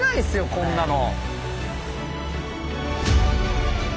こんなの。